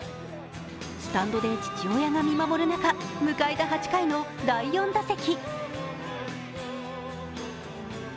スタンドで父親が見守る中迎えた８回の第４打席。